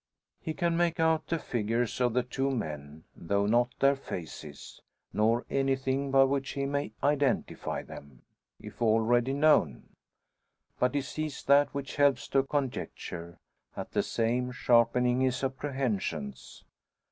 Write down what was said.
He can make out the figures of the two men, though not their faces, nor anything by which he may identify them if already known. But he sees that which helps to a conjecture, at the same sharpening his apprehensions.